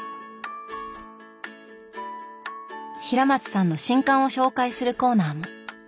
平松さんの新刊を紹介するコーナーも。